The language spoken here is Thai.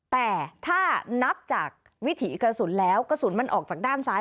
แต่ถ้านับจากวิถีกระสุนแล้วกระสุนมันออกจากด้านซ้าย